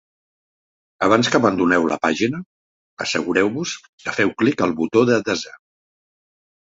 Abans que abandoneu la pàgina, assegureu-vos que feu clic al botó de desar.